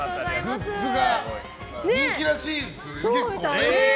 グッズが人気らしいですよ結構ね。